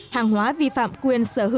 hàng hóa vi phạm quyền sản phẩm